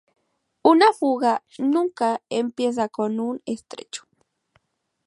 Una fuga "nunca" empieza con un estrecho.